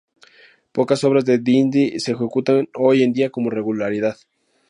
Pocas obras de d’Indy se ejecutan hoy en día con regularidad.